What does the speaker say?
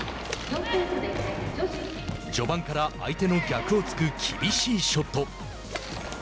序盤から相手の逆を突く厳しいショット。